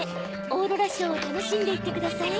オーロラショーをたのしんでいってください。